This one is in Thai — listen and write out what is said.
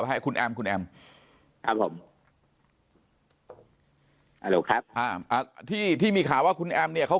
แพ้คุณแอมครับผมครับที่ที่มีข่าวว่าคุณแอมเนี่ยเขา